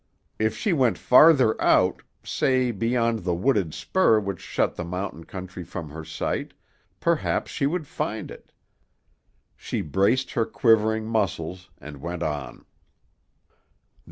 If she went farther out, say beyond the wooded spur which shut the mountain country from her sight, perhaps she would find it.... She braced her quivering muscles and went on.